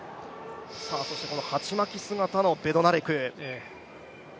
そして鉢巻き姿のベドナレク。